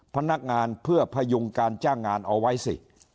พนักงานเพื่อพยุงการจ้างงานเอาไว้สิ